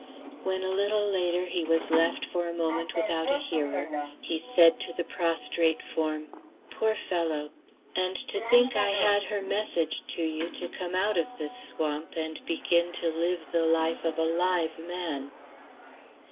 When a little later he was left for a moment without a hearer, he said to the prostrate form, "Poor fellow! And to think I had her message to you to come out of this swamp and begin to live the life of a live man!"